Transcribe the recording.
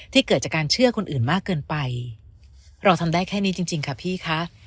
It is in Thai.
เกิดจากการเชื่อคนอื่นมากเกินไปเราทำได้แค่นี้จริงค่ะพี่คะ